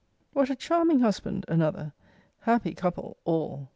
What a charming husband, another! Happy couple, all!